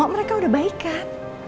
mereka udah baik kan